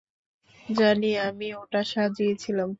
জানি, আমিই ওটা সাজিয়েছিলাম।